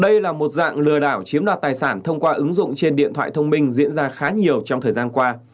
đây là một dạng lừa đảo chiếm đoạt tài sản thông qua ứng dụng trên điện thoại thông minh diễn ra khá nhiều trong thời gian qua